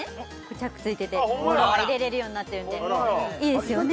チャック付いてて物が入れられるようになってるのでいいですよね・